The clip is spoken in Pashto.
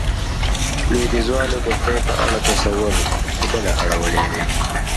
لوېديځوالو د خدای په اړه تصور، په بله اړولی دی.